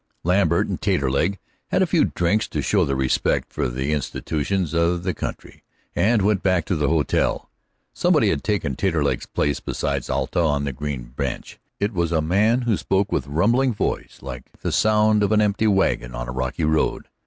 Lambert and Taterleg had a few drinks to show their respect for the institutions of the country, and went back to the hotel. Somebody had taken Taterleg's place beside Alta on the green bench. It was a man who spoke with rumbling voice like the sound of an empty wagon on a rocky road.